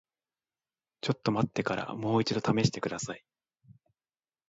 ちょっと待ってからもう一度試してください。